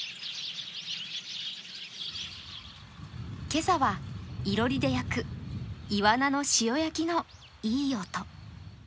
今朝はいろりで焼くいわなの塩焼きのいい音。